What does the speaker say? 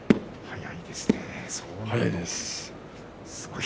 早いです。